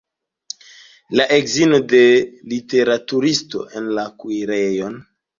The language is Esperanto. La edzino de literaturisto en la kuirejon!